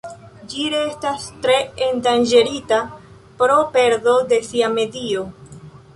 Ĝi restas tre endanĝerita pro perdo de sia medio.